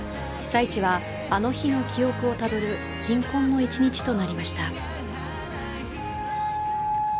被災地は、あの日の記憶をたどる鎮魂の一日となりました。